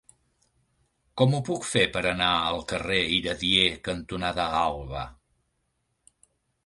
Com ho puc fer per anar al carrer Iradier cantonada Alba?